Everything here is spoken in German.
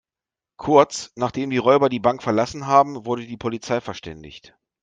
Kurz, nachdem die Räuber die Bank verlassen haben, wurde die Polizei verständigt.